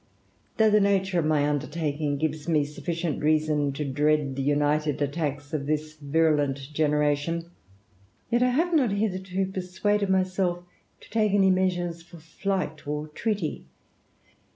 the nature of my undertaking gives me sufficient dread the united attacks of this virulent genera have not hitherto persuaded myself to take any for flight or treaty.